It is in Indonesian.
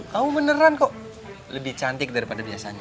kamu beneran kok lebih cantik daripada biasanya